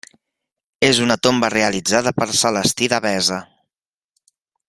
És una tomba realitzada per Celestí Devesa.